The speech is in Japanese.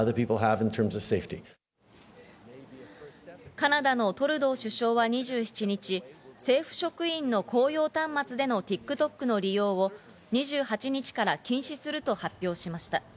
カナダのトルドー首相は２７日、政府職員の公用端末でのＴｉｋＴｏｋの利用を２８日から禁止すると発表しました。